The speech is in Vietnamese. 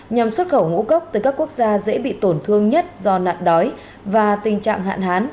nhằm xuất khẩu ngũ cốc tới các quốc gia dễ bị tổn thương nhất do nạn đói và tình trạng hạn hán